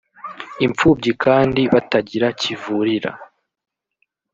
imfubyi kandi batagira kivurira